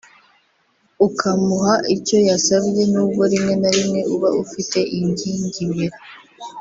ukamuha icyo yasabye n’ubwo rimwe na rimwe uba ufite ingingimira